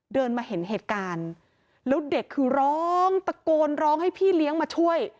เดินมาเห็นเหตุการณ์แล้วเด็กคือร้องตะโกนร้องให้พี่เลี้ยงมาช่วย